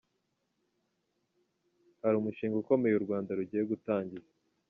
Hari umushinga ukomeye u Rwanda rugiye gutangiza.